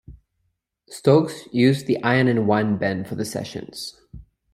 Stokes used the Iron and Wine band for the sessions.